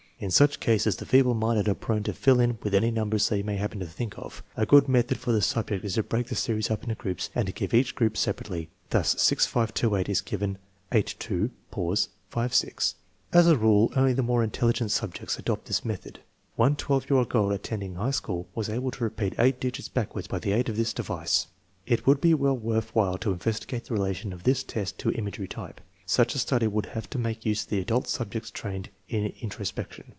In such cases the feeble minded are prone to fill in with any numbers they may happen to think of. A good method for the subject is to break the series up into groups and to give each group separately. Thus, 6 5 2 8 is given 8 2 5 6. As a rule only the more intelligent subjects adopt this method. One 12 year old girl attending high school was TEST NO. VII, ALTERNATIVE 2 209 able to repeat eight digits backwards by the aid of this device. It would be well worth while to investigate the relation of this test to imagery type. Such a study would have to make use of adult subjects trained in introspection.